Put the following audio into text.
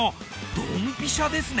ドンピシャですね。